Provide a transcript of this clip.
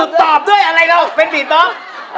มี๑๐๘ด้วยอะไรอ่ะกุ้งเป็นบีบ๊อค